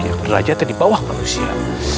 yang derajatnya di bawah manusia